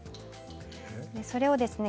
それをですね